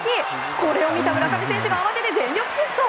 これを見た村上選手が慌てて全力疾走！